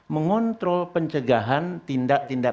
mengontrol pencegahan tindak tindak